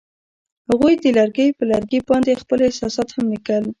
هغوی د لرګی پر لرګي باندې خپل احساسات هم لیکل.